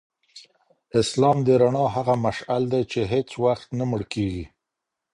اسلام د رڼا هغه مشعل دی چي هیڅ وختنه مړ کیږي.